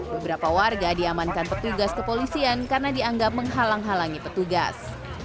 beberapa warga diamankan petugas kepolisian karena dianggap menghalang halangi petugas